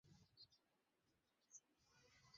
সাথে আয়, সিম্বা!